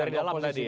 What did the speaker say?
dari dalam tadi ya